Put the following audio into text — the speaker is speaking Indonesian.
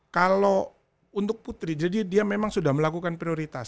kalau untuk putri jadi dia memang sudah melakukan prioritas